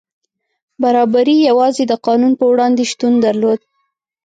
برابري یوازې د قانون په وړاندې شتون درلود.